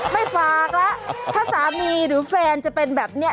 ไม่ฝากแล้วถ้าสามีหรือแฟนจะเป็นแบบนี้